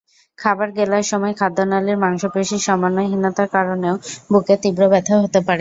খাবার গেলার সময় খাদ্যনালির মাংসপেশির সমন্বয়হীনতার কারণেও বুকে তীব্র ব্যথা হতে পারে।